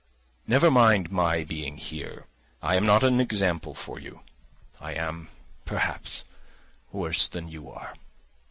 "Never mind my being here, I am not an example for you. I am, perhaps, worse than you are.